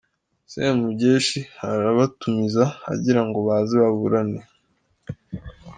" Semugeshi arabatumiza agira ngo baze baburane.